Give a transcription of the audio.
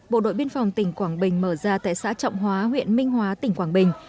bộ đội biên phòng tỉnh quảng bình mở ra tại xã trọng hóa huyện minh hóa tỉnh quảng bình